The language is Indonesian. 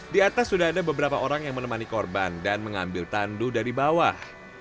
di atas sudah ada beberapa orang yang menemani korban dan mengambil tandu dari bawah